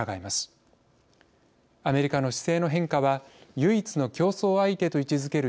アメリカの姿勢の変化は唯一の競争相手と位置づける